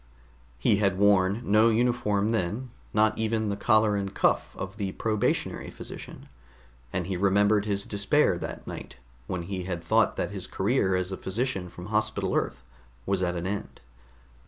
He had worn no uniform then, not even the collar and cuff of the probationary physician, and he remembered his despair that night when he had thought that his career as a physician from Hospital Earth was at an end.